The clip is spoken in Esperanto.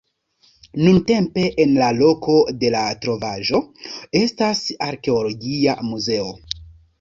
Nuntempe en la loko de la trovaĵo estas arkeologia muzeo.